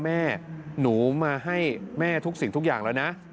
แม่หนูมาให้แม่ทุกสิ่งทุกอย่างแล้วนะ